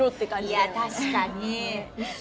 いや確かに。